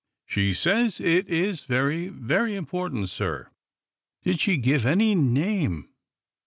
She says it is very, very important, sir." "Did she give any name?"